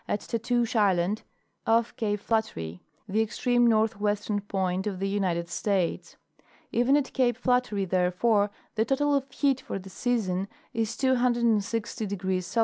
at Tatoosh island, off cape Flat tery, the extreme northwestern point of the United States. Even at cape Flattery, therefore, the total of heat for the season is 260° C.